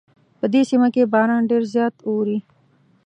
په دې سیمه کې باران ډېر زیات اوري